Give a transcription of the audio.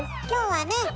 今日はね